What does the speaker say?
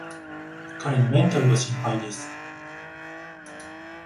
彼のメンタルが心配です